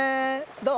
どう？